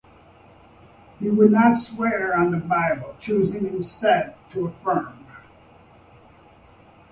He would not swear on the Bible, choosing instead to affirm.